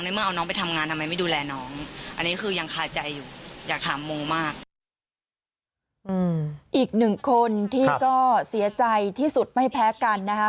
อีกหนึ่งคนที่ก็เสียใจที่สุดไม่แพ้กันนะคะ